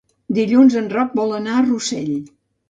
Dilluns en Roc vol anar a Rossell.